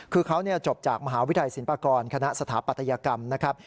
คือเขาจบจากมหาวิทยาลัยศิลปากรคณะสถาปัตยกรรมนะครับ